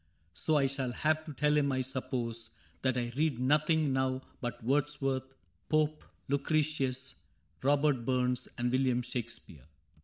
So I shall have to tell him, I suppose. That I read nothing now but Wordsworth, Pope, Lucretius, Robert Burns, and William Shake speare.